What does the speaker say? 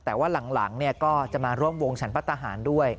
แต่ว่าหลังก็จะมาร่วมวงฉันประหารด้วย